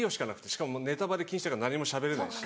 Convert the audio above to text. しかもネタバレ禁止だから何もしゃべれないし。